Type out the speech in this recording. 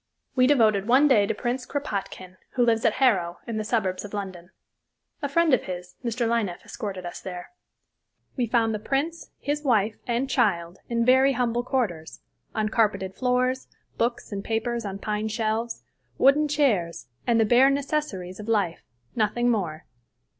We devoted one day to Prince Krapotkine, who lives at Harrow, in the suburbs of London. A friend of his, Mr. Lieneff, escorted us there. We found the prince, his wife, and child in very humble quarters; uncarpeted floors, books and papers on pine shelves, wooden chairs, and the bare necessaries of life nothing more.